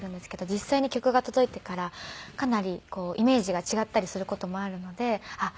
実際に曲が届いてからかなりイメージが違ったりする事もあるのであっ